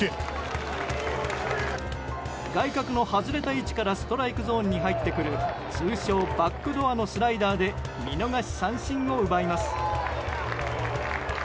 外角の外れた位置からストライクゾーンに入ってくる通称バックドアのスライダーで見逃し三振を奪います。